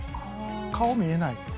顔見えないので。